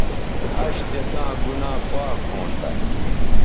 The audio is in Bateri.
اش تساں گنا پاک ھونتہ